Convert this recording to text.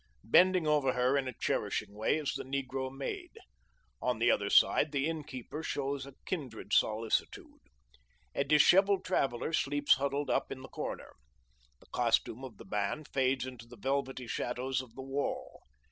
Bending over her in a cherishing way is the negro maid. On the other side, the innkeeper shows a kindred solicitude. A dishevelled traveller sleeps huddled up in the corner. The costume of the man fades into the velvety shadows of the wall.